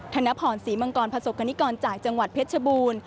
ธนพรศรีมังกรประสบกรณิกรจากจังหวัดเพชรชบูรณ์